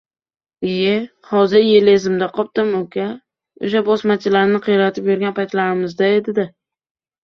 — lye, hozir yili esimda qoptimi, uka? O‘sha bosmachilarni qiyratib yurgan paytlarimizda edida.